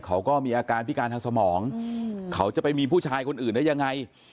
เขาก็มีอาการพิการทางสมองเขาจะไปมีผู้ชายคนอื่นได้ยังไง